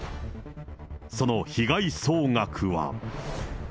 その被害総額は。